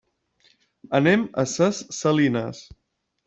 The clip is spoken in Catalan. Anem a ses Salines.